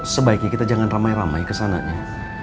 sebaiknya kita jangan ramai ramai kesananya